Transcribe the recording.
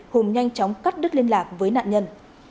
hùng nhanh chóng cắt đứt liên lạc với nạn nhân